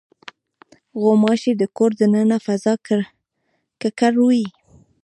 غوماشې د کور د دننه فضا ککړوي.